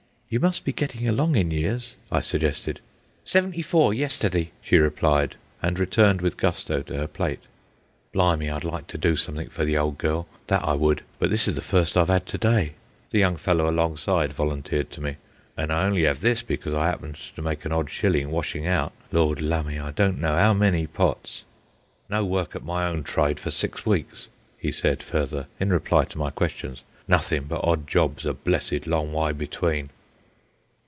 "You must be getting along in years," I suggested. "Seventy four yesterday," she replied, and returned with gusto to her plate. "Blimey, I'd like to do something for the old girl, that I would, but this is the first I've 'ad to dy," the young fellow alongside volunteered to me. "An' I only 'ave this because I 'appened to make an odd shilling washin' out, Lord lumme! I don't know 'ow many pots." "No work at my own tryde for six weeks," he said further, in reply to my questions; "nothin' but odd jobs a blessed long wy between."